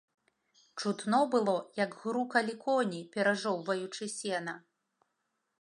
Чутно было, як грукалі коні, перажоўваючы сена.